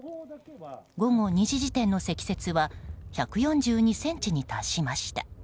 午後２時時点の積雪は１４２ｃｍに達しました。